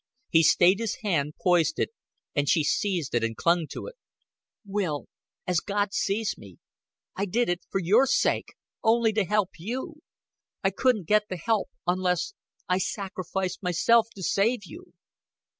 He stayed his hand, poised it, and she seized it and clung to it. "Will as God sees me I did it for your sake only to help you. I couldn't get the help unless I sacrificed myself to save you."